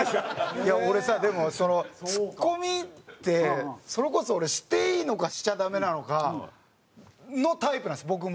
いや俺さでもそのツッコミってそれこそ俺していいのかしちゃダメなのかのタイプなんです僕も。